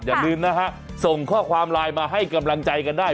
อย่าลืมนะฮะส่งข้อความไลน์มาให้กำลังใจกันได้